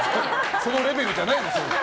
そのレベルじゃないでしょ